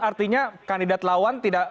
artinya kandidat lawan